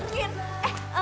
mas aku pengen